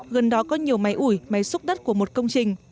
gần đó có nhiều máy ủi máy xúc đất của một công trình